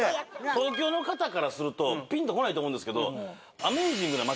東京の方からするとピンとこないと思うんですけど。